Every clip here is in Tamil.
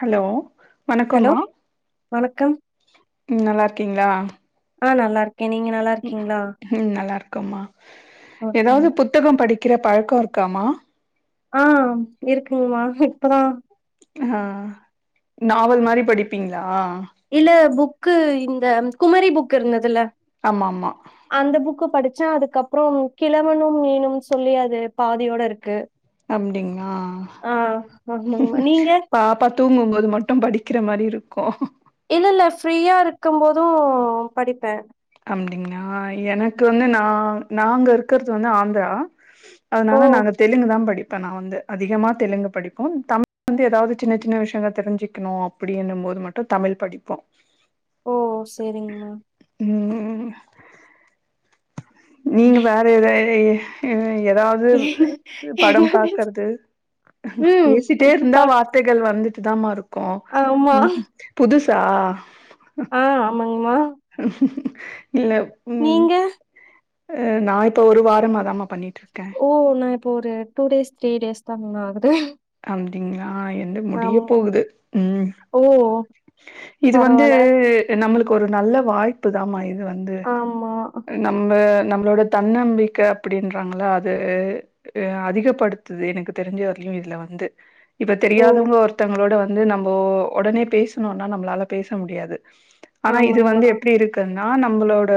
ஹலோ ஹலோ வணக்கம்மா வணக்கம் ம் நல்லாருக்கீங்ளா ஆ நல்லா இருக்கே நீங்க நல்லாருக்கீங்ளா எதாது புத்தகம் படிக்கிற பழக்கோ இருக்காமா ஆ இருக்குங்மா இப்பதா ஆ நாவல் மாரி படிப்பீங்ளா இல்ல புக்கு இந்த குமரி புக் இருந்ததுல ஆமா ஆமா அந்த புக்கு படிச் சோ அதுக்கப்றோம் கிழவனும் மீனும் சொல்லி அது பாதியோட இருக்கு அப்டிங்ளா ஆ ஆமாங்கமா நீங்க பாப்பா தூங்கும்போது மட்டு படிக்கிற மாரி இருக்கு இல்ல இல்ல ஃப்ரீயா இருக்கம் போது படிப்பே அப்டிங்ளா எனக்கு வந்து நா நாங்க இருக்கறது வந்து ஆந்ரா ஓ அதனால நாங்க தெலுங்கு தா படி இப்ப நா வந்து அதிகமா தெலுங்கு படிப்போம் தமிழ் வந்து எதாது சின்ன சின்ன விஷயங்க தெரிஞ்சுக்குனு அப்டினும்போது மட்டு தமிழ் படிப்போ ஓ சரிங் மேம் ம் நீங்க வேற எதா எதாது படோ பாக்றது ம் பேசிட்டே இருந்தா பா வார்த்தைகள் வந்துட் டுதாமா இருக்கு ஆமா ம் புதுசா ஆ ஆமாங்மா இல்ல ம் நீங்க நா இப்ப ஒரு வாரமாதாமா பண்ணிட் ஓ நா இப்ப ஒரு டூ டேஸ் த்ரீ டேஸ் தா மேம் ஆகுது ஆ என்து முடிய ஆமாமா போகுது ம் ஓ இது வந்து பரவால்ல நம்மளுக்கு ஒரு நல்ல வாய்ப்பு தா மா இது வந்து ஆமா நம்ம நம்மளோட தன்னம்பிக்க அப்படின்றாங்களா அது அதிகப்படுத்துது எனக்கு தெரிஞ்ச வரலயையு இதுல வந்து வந்து இப்ப ஓ தெரியாதவங்க ஒருத்தங்களோட வந் து நம்ம உடனே பேசணும்னா நம்மளால பேச முடியாது ஆனா இது ஆமாங்மா வந்து எப்படி இருக்கு நா நம்மளோட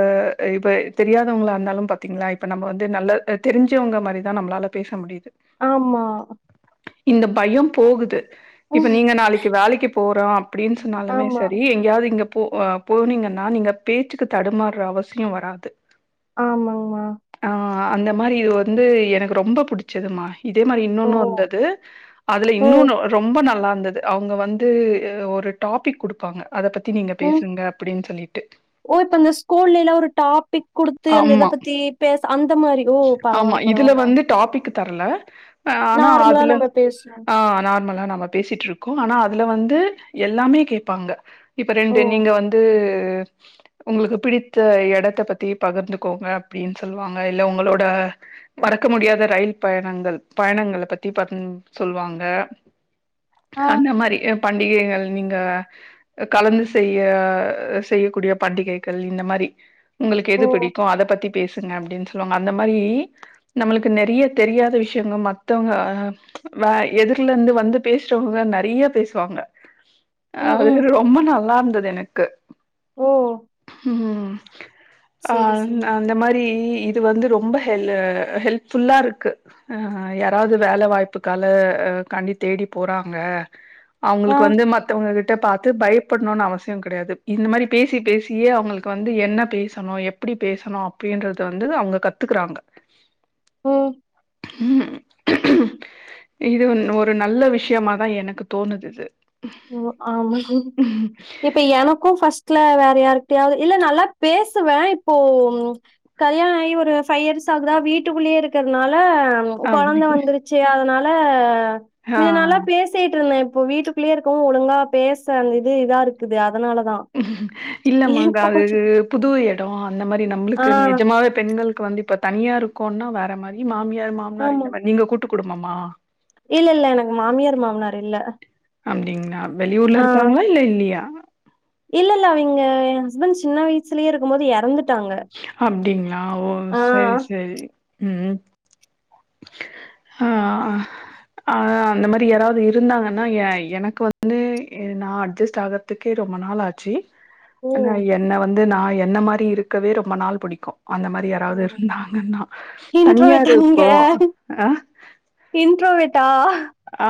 இப்ப தெரியாதவங்கள இருந்தாலு பாத்தீங்களா இப்ப நம்ம வந்து நல்ல தெரிஞ்சவங்க மாதிரி தா நம்மளால பேச முடியுது ஆமா இந்த பயம் போகுது இப்ப நீங்க நாளைக்கு வேலைக்கு போறோ அப்படின்னு சொன்னாலுமே ஆமா சரி எங்கயாவது இங்க போனீங்கன்னா நீங்க பேச்சுக்கு தடுமாறுற அவசிய வராது ஆமாங்கமா ஆ அந்த மாதிரி இது வந்து எனக்கு ரொம்ப பிடிச்சதுமா இதே மாதிரி ஓ இன்னொன்னு வந்தது அதுல ஓ இன்னு ரொம்ப நல்லா இருந்தது அவங்க வந்து ஒரு டாபிக் கொடுப்பாங்க அத பத்தி நீங்க ம் பேசுங்க அப்படின்னு சொல்லிட்டு ஓ இப்ப இந்த ஸ்கூல்லேலா ஒரு டாபிக் குடுத்து அந்த இத ஆமா பத்தி பேச அந்த மாரி ஓ ஆமா பரவால்ல இதுல பரவால்ல வந்து டாபிக் தரல ஆனா நார்மலா அதுல நம்ம பேசுறோ ஆ நார்மல் நம்ம பேசிட்டு இருக்கோ ஆனா அதுல வந்து எல்லாமே கேட்பாங்க இப்ப ஓ ரெண்டு நீங்க வந்து உங்களுக்கு பிடித்த இடத்த பத்தி பகிர்ந்துக்கோங்க அப்படின்னு சொல்லுவாங்க இல்ல உங்களோட மறக்க முடியாத ரயில் பயணங்கள் பயண பத்தி ப சொல்லுவாங்க ஆ அந்த மாரி பண்டிகைகள் நீங்க கலந்து செய்ய செய்யக்கூடிய பண்டிகைகள் இந்த மாதிரி உங்களுக்கு ஓ எது பிடிக்கும் அத பத்தி பேசுங்க அப்படி அப்படனு சொல்லுவாங்க அந்த மாதிரி நம்மளுக்கு நிறைய தெரியாத விஷயங்கள் மத்தவங்க வ எதிர்ல இருந்து வந்து பேசுறவங்க நிறைய பேசுவாங்க ம் அது ம் ரொம்ப நல்லா இருந்தது எனக்கு ஓ உம் அ செரி செரி அந்த மாரி இது வந்து ரொம்ப ஹெல்லு ஹெல்ப்ஃபுல்லா இருக்கு ஆ யாராவது வேல வாய்ப்புக்கல அ காண்டி தேடி போறாங்க ஆ அவங்களுக்கு வந்து மத்தவங்க கி ட்ட பாத்து பயப்படணும்னு அவசிய கிடையாது இந்த மாரி பேசிப் பேசியே அவங்களுக்கு வந்து என்ன பேச சணு எப்டி பேசணு அப்டின்றத வந்து அவங்க கத்துக்கறாங்க ஓ உம் இது ஒரு நல்ல விஷயமாதா எனக்கு தோணுது இது ஓ ஆமா இப்ப எனக்கு ஃப்ஸ்ட் ட்ல வேற யாருக்கிட்டயாவது இல்ல நல்லா பேசுவ இப்போ கல்யாண ஆகி ஒரு ஃவையியர்ஸ் ஆகுதா வீட்டுக்குள்ளயே இருக்கறனால ல ஆம் கொழந்த வந்துருச்சு அதனால ஆ மின்ன நல்லா பேசிட்டு இருந்தே இப்ப வீட்டுக்குள்ளயே இருக்கவு ஒழுங்கா பேச அந்த இது இதா இருக்குது அத இல்லமாங்க அது கொஞ்சம் புது எடோ அந்த மாரி ஆ நம்மளுக்கு நிஜமாவே பெண்களுக்கு வந்து இப்ப தனியா இருக்கோனா வேற மாரி மாமியார் மாமனார் ஆமா. இந்த மாரி நீங்க கூட்டுக் குடும்பமா இல்ல இல்ல எனக்கு மாமியார் மாமனார் இல்ல அப்டிங்கள ஆ வெளியூர்ல இருக்காங்களா இல்ல இல்லையா இல்ல இல்ல அவங்க எ ஹஸ்பண்ட் சின்ன வயசுலேயே இருக்கும் போது எறந்து அப்டிங்களா ஓ சரி சரி உம் ஆ ஆ அந்த மாரி யாராவது இருந்தாங்கன்னா எ எனக்கு வந்து நா அட்ஜஸ்ட் ஆகறதுக்கே ரொ ம்ப நாள் ஆச்சு ஓ! ஆ என்ன வந்து நா என்ன மாரி இருக்கவே ரொம்ப நாள் புடிக்கு அந்த மாரி ஓ! யாராவது இருந்தாங்கன்னா தனியா இருக்கு அ இன்ரோவேட்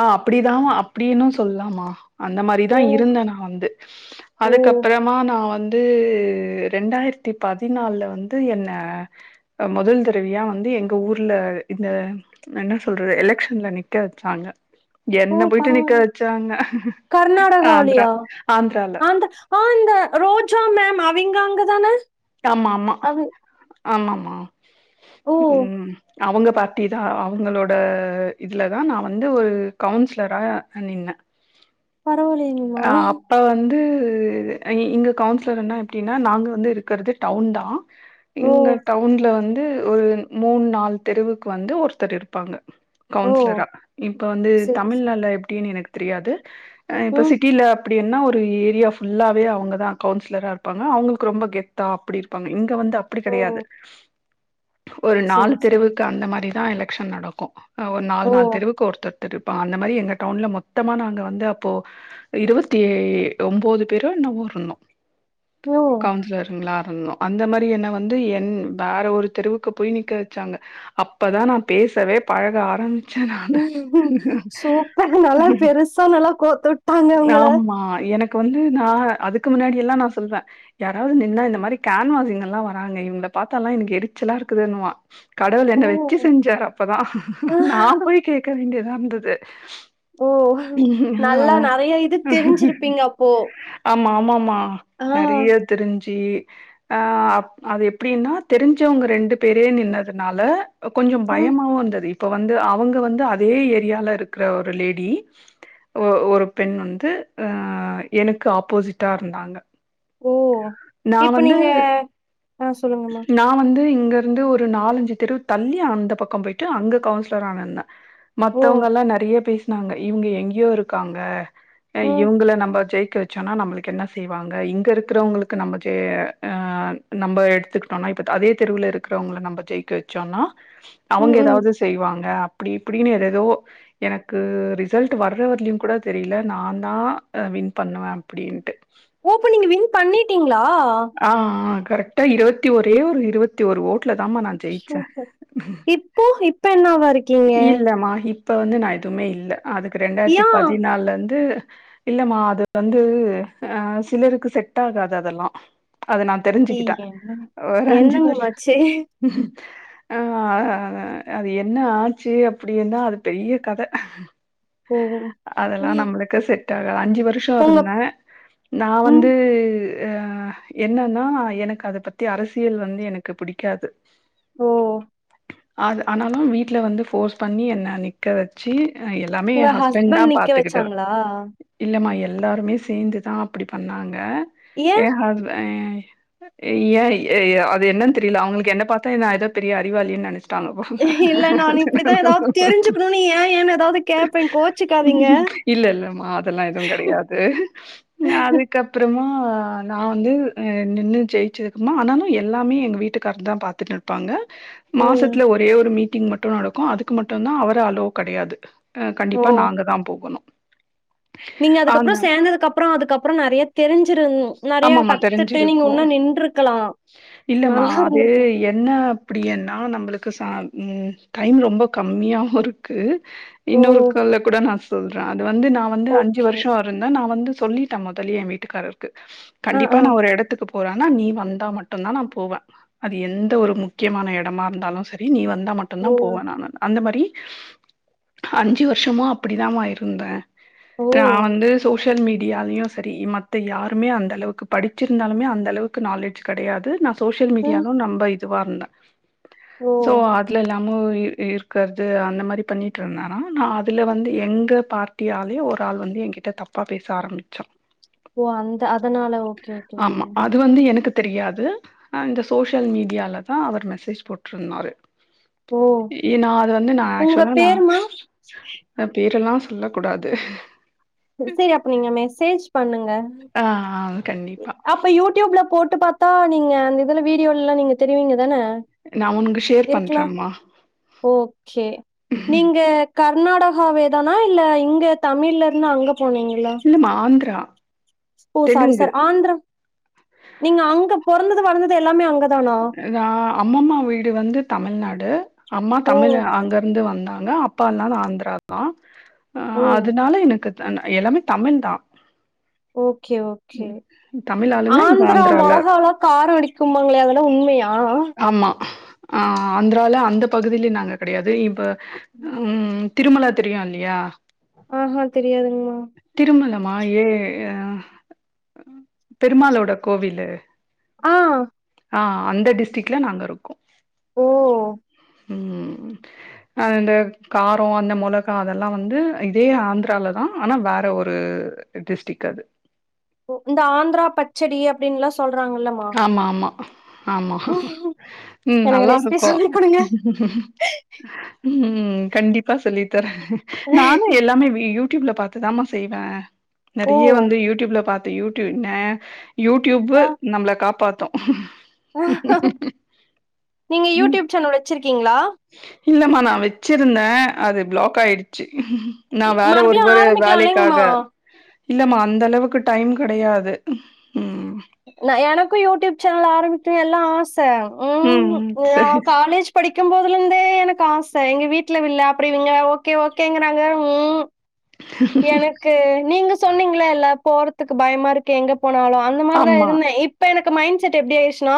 ஆ அப்டிதா அப்டினு சொல்லலாமா அந்த மாரிதா ஓ! இருந்தே நா வந்து ஓ! அதுக்கப்றமா நா வந்து ரெண்டாய்ரத்தி பதினால்ல வந்து என்ன அ மொதல் தரவியா வந்து எங்க ஊர்ல அ இந்த என்ன சொல்றது எலெக்ஷன்ல நிக்க வச்சாங்க என்ன போய்ட்டு நிக்க வச்சாங்க ஆந்திரா கர்நாடகாலியா ஆந்திரால அந்த ஆ இந்த ரோஜா மேம் அ விங்க அங்க தான ஆமா ஆமா ஆமாமா ஓ ம் அவுங்க பார்ட்டி தா அவுங்களோட இதில தா நா வந்து ஒரு கவுன்ஸ்லரா நின்னே பரவாயில்லையேங்கமா அ அப்ப வந்து இது ஆ இ இங்க கவுன்சிலர்ன்னா எப்டினா நாங்க வந்து இருக்கிறது டவுன் தா ஓ இங்க டவுன்ல வந் து ஒரு மூணு நால் தெருவுக்கு வந்து ஒருத்தர் இருப்பாங்க ஓ கவுன்சிலரா இப்ப வந்து செரி தமிழ் செரி நாட்ல எப்டினு எனக் தெரியாது ஆ இப்ப ம் சிட் டில அப்டினா ஒரு ஏரியா ஃபுல்லாவே அவுங்க தா கவுன்சிலரா இருப்பாங்க அவுங்களுக்கு ரொம்ப கெத்தா அப்டி இருப்பாங்க இங் க வந்து அப்டி ஓ கெடையாது ஒரு நாலு செரி தெருவுக்கு செரிமா அந்த மாரிதா எலெக்க்ஷன் நடக்கு அ ஒரு நால் ஓ நால் தெருவுக்கு ஒருத்தர் தர் இருப்பா அந்த மாரி எங்க டவுன்ல மொத்தமா நாங்க வந்து அப்போ இருவத்தி ஓம்போது பேரோ என்னவோருந்தோ ஓ கவுன்சிலர்ங்ளா ட்ருந்தோ அந்த மாரி என்ன வந்து என் வேற ஒரு தெருவுக்கு போய் நிக்க வெச்சாங்க அப்பதா நா பே சவே பழக ஆரம் சூப்பர் நல்லா பெருசா நல்லா கோத்து வுட்டாங் ஆமா எனக் இப்ப வந்து நா அதுக்கு முன்னாடி எல்லா நா சொல்ற யாராவது நின்னா இந்த மாரி கேன்வாசிங்க எல்லா வராங்க இவுங்கள பாத்தாலா எனக்கு எரிச்சலா இருக்குதுன்னு வா கடவுள் ஓ என்ன வெச்சி செஞ்சாரு அப்பதா நா போய் கேக்க வேண்டியதா இருந்தது ஓ நல்லா ஆஹ் நெறைய இது தெரிஞ்சிருப்பீங்க அப்போ அம் ஆமாமா ஆ நெறைய தெரிஞ் சி ஆ அப் அது எப்டினா தெரிஞ்சவங்க ரெண்டு பேரே நின்னதுனால அ கொஞ்சோ ம் பயமாவுந்தது இப்ப வந்து அவுங்க வந்து அதயே ஏரியாலருக்கற ஒரு லேடி ஒ ஒரு பெண் வந்த் து அ எனுக்கு ஆபோசிட்டா இருந்தாங்க ஓ நா இப்ப வந்து நீங்க ஆ சொல்லுங்கம்மா நா வந்து இங் க இருந்து ஒரு நாலஞ்சு தெருவு தள்ளி அந்த பக்கோ போய்ட்டு அங்க கவுன்சிலரா நின்ன ஓ மத்தவுங்கெல்லா நெறைய பேஸ்னாங்க இவுங்க எங்யோ இருக்காங்க அ ம் இவுங்கள நம்ப ஜெய் க்க வெச்சோனா நம்பளுக்கு என்ன செய்வாங்க இங்க இருக்குறவங்களுக்கு நம்ப ஜே அ நம்ப எடுத்க்கிட்டோனா [unintelligible] அதே தெருவுல இருக்றவங்கள நம்ப ஜெயிக்க வச்சோனா அவுங்க ம் ம் ஏதாவது செய்வாங்க அப்டி இப்டின்னு எதேதோ எனக்கு ரிசல்ட் வர்ற வரலயும் கூட தெரியல நா தா அ வின் பண்ணுவே அப்டின்ட்டு ஓ அப்ப நீங்க வின் பண்ணிட்டீங்ளா ஆ ஆ கரெக்டா இருவத்தி ஒரே ஒரு இருவத்தி ஒரு ஓட் ல தாமா நா ஜெயிச்ச பண்ணவா இல்லமா இப்ப வந்து நா எதுமே இல்ல அதுக்கு ரெண்டாயிர்த்தி யா பதினால்ல வந்து இல்லமா அது வந்து அ சிலருக்கு செட் ஆகாது அதெல்லா அத நா இ தெரிஞ்சிக்கிட்டே என்னங்க ஒரு அஞ்சு என்னங்க வர்ஷோ மச்சி அ அது என்ன ஆச்சு அப்டினா அது பெரிய கத ஓ அதெல்லா ம் நம்ளுக்கு செட் அ அஞ்சு உங்க வருஷோருந்தே நா ம் வந்து ஆ என்னன்னா எனக்கு அத பத்தி அரசியல் வந்து எனக்கு பிடிக்காது ஓ அத ஆனாலும் வீட்ல வந்து ஃபோர்ஸ் பண்ணி என்ன நிக்க வச்சு எல்லாமே உங்க என் ஹஸ்பண்ட் தா நிக்க பாத்துக்கிட்டது வச்சாங்களா இல்லமா எல்லாருமே சேந்துதான் அப்டி பண்ணாங்க ஏ ஹஸ் ஏ அது என்னன்னு தெரில அவங்களுக்கு என்ன பாத்தா நா ஏதோ பெரிய அறிவாளினு நெனச் தாங்க போல இல்ல நான் இப்டிதா ஏதாவது தெரிஞ்சுக்கணும்னு ஏன் ஏன்னு ஏதாவது கேப்பே கோச்சுக்காதீங்க இல்ல இல்லம்மா அதெல்லா எதுவு கெட காது அதுக்கப்புறமா நா வந்து நின்னு ஜெயிச்சிருக்குமா ஆனாலு எல்லாமே எங்கள் வீட்டுக்கார தா பாத்துட்டு இருப்பாங்க ம் மாசத்துல ஒரே ஒரு மீட்டிங் மட்டு நடக்கு அதுக்கு மட்டுந்தா அவரு அளவு கெடையாது அ ஓ கண்டிப்பா நாங்க தா போகணு நீங்க அதுக்கப்பற சேந்ததுக்கப்பற அதுக்கப்பற நெறய தெரிஞ்சிரு நெறய ஆமாமா கத்துட்டு நீங்க தெரிஞ்சிருக்கும் வுன்னு நின்றுருக்கலா இல்லமா அது என்ன அப்படின்னா நம்மளுக்கு ச ம் டைம் ரொம்ப கம்மியாவு இருக்கு ஓ இன்னொரு கால்ல கூட நா சொல்ற வந்து நா வந்து அஞ்சு ஓகே வருஷ இருந்த நா வந்து சொல்லிட்ட மொதலயே எ வீட்டுக்காரர் ஆ கண்டிப்பா ஆ நா ஒரு எடத்துக்கு போறனா நீ வந்தா மட்டுந்தா நா போவ அது எந்த ஒரு முக்கியமான எடமா இருந்தாலு சரி நீ வந் வந்தா மட்டுந்தா ஓ போவ நானு அந்த மாரி அஞ்சு வருஷமா அப்படிதா மா இருந்த நா ஓ வந்து சோசியல் மீடியாலயு சரி மத்த யார் ருமே அந்த அளவுக்கு படிச்சிருந்தாலுமே அந்த அளவுக்கு நாலேஜ் கெடயாது நா சோசியல் ம். மீடியாலு நம்ப இது வந்த ஓ! சோ அதுல எல்லா மு இருக்கிறது அந்த மாரி பண்ணிட்டு இருந்தா ந அதுல வந்து எங்க பார்ட்டியால ஒரு அந்த ஆள் வந்து என்கிட்ட தப்பா பேச ஆரம்பிச்சா ஓ அந்த அதனால ஓகே ஓகே ஆமா அது வந்து எனக்கு தெரியாது அந்த சோசியல் மீடியால தா அவரு மெசேஜ் போட்ருந்தாரு ஓ! ஏ நா அது வந்து நா உங்க ஆக்சுவலா பேரு மேம்? நா பேரெல்லா சொல்ல கூடாது சரி அப்ப நீங்க மெசேஜ் பண்ணுங்க ஆ ஆ கண்டிப்பா அப்ப போட்டு பாத்தா நீங்க அந்த இதுல வீடியோல எல்லா நீங்க தெரிவீங்க தான நா உனக்கு ஷேர் இருக்கலா பண்றேம்மா ஓக்கே நீங்க கர்நாடகாவே தானா இல்ல இங்க தமிழ்ல இருந்து அங்கப் இல்லமா ஆந்த்ரா ஓ சாரி சார் ஆந்த்ரா நீங்க அங்க பொறந்தது வளந்தது எல்லாமே அங்க தானா? நா அம்மம்மா வீடு வந்து தமிழ்நாடு அம்மா ஓ! தமிழ் அங்கிருந்து வந்தாங் ங்க அப்பால்லா ஆந்திரா தா ஓ! அதனால எனக்குத் எல்லாமே தமிழ் தா ஓகே ஓகே தமிழ் ஆளுங்க இங்க ஆந்திரா ஆந்திரால மொளகாலா கார அடிக்கும்பாங்களே அதலா உம்மையா ஆமா ஆ ஆந்த்ரால அந்த பகுதியில நாங்க கடையாது இப்ப ம் திருமலா தெரியு இல்லியா ஆஹா தெரியாதுங்மா திருமலமா ஏ பெருமாலோட கோவிலு ஆ ஆ அந்த டிஸ்டிக்ல நாங்க இருக்கோ ஓ ம் ஆ இந்த காரோ அந்த மொளகா அதெல்லா வந்து இதே ஆந்த்ராலதா ஆனா வேற ஒரு டிஸ்டிக் அது இந்த ஆந்த்ரா பச்சடி அப்டின்னு எல்லாம் சொல்ரா ஆமா ஆமா ஆமா ம் எனக்கு நல்லா ரெசிபி இருக்கு சொல்லி குடுங்க ம் ம் கண்டிப்பா சொல்லித்தர நானும் எல்லாமே வியு யூடியூப்ல பாத்து தாமா செய்வே ஓ நெறய வந்து யூடியூப்ல பாத்து யூடியூ ன யூட்டியூபு ஆ காப்பாத்து நீங்க ம் யூடியூப் சேனல் வச்சிருக்கீங்களா இல்லமா நான் வச்சிருந்தேன் அது பிளாக் ஆய்டுச்சு நான் வேற ஒரு மறுபடியு ஒரு ஆரம்பிக்கலா இல்லைங்கமா வேலைக்காக இல்லம்மா அந்த அளவுக்கு டைம் கடையாது ந எனக்கும் யூடியூப் சேனல் ஆரம்பித்து எல்லாம் ஆச ம்கும் ம் சரி நான் காலேஜ் படிக்கும் போது அப்பய்ல இருந்தே எனக்கு ஆச எங்க வீட்ல விட்ல அப்ர இவங்க ஓக்கே ஓக்கேங்கறாங்க ம்ம் எனக்கு நீங்க சொன்னீங்கள எல்லாம் போறதுக்கு பயமா இருக்கு எங்க போனாலும் அந்த மாதிரிதான் ஆமா இருந்தேன் இப்ப எனக்கு மைண்ட் செட் எப்டி ஆய்டுச்சுனா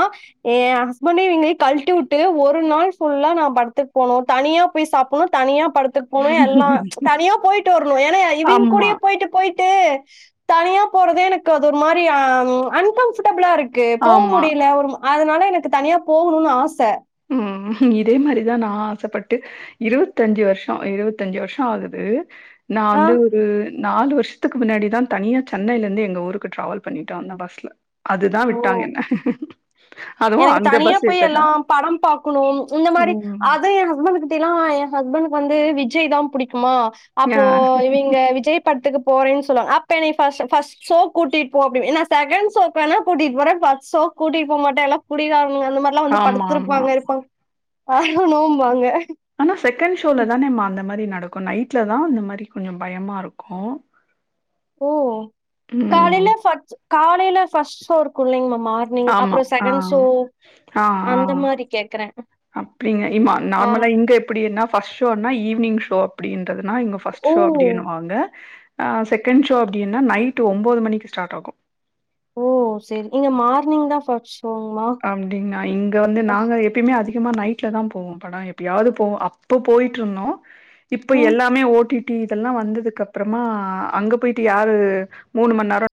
என் ஹஸ்பண்டயும் இவுங்களயும் கழட்டி விட்டு ஒரு நாள் புல்லா நான் படத்துக் போனும் தனியா போய் சாப்புணும் தனியா படத்துக்கு போணும் எல்லாம் தனியா போயிட்டு வரணும் ஏன்னா இவிய்ங்க ஆமா கூடயே போயிட்டு போயி ட்டு தனியா போறதே எனக்கு அது ஒரு மாரி அன்கம்பர்டபிளா இருக் க்கு போ ஆமா முடியல ஒரு அதனால எனக்கு தனியா போவுணும்னு ஆச ம் இதே மாதிரிதான் நான் ஆசப்பட்டு இருவத்தஞ்சு வருஷம் இருவத்தஞ்சு வருஷம் ஆகுது நா ஆ. வந்து ஒரு நாலு வருஷத்துக்கு முன்னாடிதா தனியா சென்னைல இருந்து எங்க ஊருக்கு டிராவல் பண்ணிட்டோ வந்த பஸ்ல அதுதா ஓ! விட்டா என்ன அதுவும் எனக்கு அங்க தனியா பஸ் போய் ஏத்தல. எல்லாம் ப படம் பாக்குணும் இந்த மாரி ம். அது ஏன் ஹஸ்பண்ட் கிட்டேல என் ஹஸ்பெண்ட்க்கு வந்து விஜய் தா புடிக் மா ஆ. அப்போ இவிங்க விஜய் படத்துக்கு போறேன் சொல்லுவாங்க அப்ப என்னேய ஃபர்ஸ்ட் ஃபர்ஸ்ட் ஷோ கூட்டிட்டு போ அப்டிம்ப என்ன செகேன்ட் ஷோக் வேனா கூடிட்போறே ஃபஸ்ட்ஷோ கு கூட்டிட்போ மாட்டேயில ந்னுங்க அந்த மாரில்லா வந்து ஆமா, ஆமா. படுத்திருப்பாங்க இருப்பாங் ஆரணும்பாங்க டக்கு நைட்ல தா இந்த மாரி கொஞ்சோ பயமா இருக்கு ஓ காலையில வஜ்ஸ் காலையில ஃபர்ஸ்ட் ஷோ இருக்கு இல்லேங்கமாம் மார்னிங் ஆமா. அப்புறோ ஆ. செகண்ட் சோ ஆ, அந்த ஆ. மாரி கேக்குற அப்டிங்க இம்மா நார்மலா இங்க எப்பிடின ஃபஸ்ட் ஷோனா ஈவினிங் ஷோ அப்டீன் ததுனா இங்க ஃபர்ஸ்ட் ஓ ஷோ அப்டினுவாங்க ஆ செகண்ட் ஷோ அப்டின்னா நைட் ஒம்போது மணிக்கு ஸ்டார்ட் ஆகு ஓ செரி இங்க மார்னிங் தா ஃபர்ஸ்ட் ஷோங்மா அப்டினா இங்க வந்து நாங்க எப்யுமே அதி கமா நைட்ல தா போவோ படோ எப்பாயாவது போவோ அப்போ போயிட்டு இருந்தோ இப்ப ம் எல்லாமே ஓ டி டி இதெல்லா வந்ததுக்கு கப்றமா ஆ அங்க போயிட்டு யாரு மூணு மணி நேர